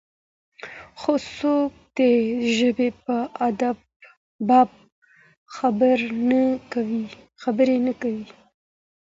خو څوک د ژبې په باب خبرې نه کوي.